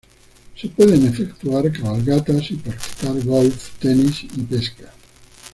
Se pueden efectuar cabalgatas y practicar golf, tenis y pesca.